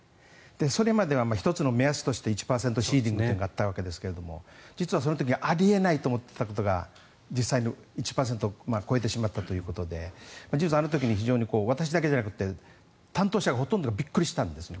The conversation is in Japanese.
それまでは１つの目安として１％というのがあったわけですが実はその時にあり得ないと思っていたことが実際の１％を超えてしまったということで事実あの時に非常に私だけじゃなくて担当者がびっくりしたんですね。